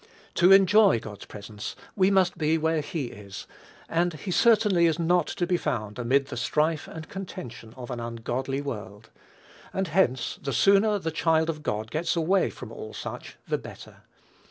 To enjoy God's presence we must be where he is, and he certainly is not to be found amid the strife and contention of an ungodly world; and hence, the sooner the child of God gets away from all such, the better.